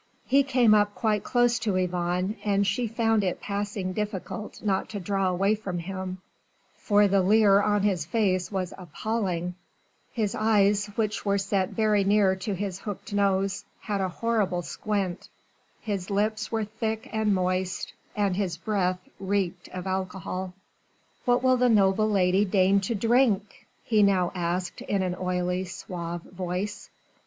He came up quite close to Yvonne and she found it passing difficult not to draw away from him, for the leer on his face was appalling: his eyes, which were set very near to his hooked nose, had a horrible squint, his lips were thick and moist, and his breath reeked of alcohol. "What will the noble lady deign to drink?" he now asked in an oily, suave voice.